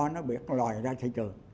nó bị lòi ra thị trường